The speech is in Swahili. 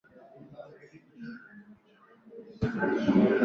kutoka pwani hadi pale msafara ulipolenga hata Ziwa